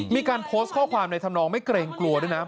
มีการโพสต์ข้อความในธรรมนองไม่เกรงกลัวด้วยนะ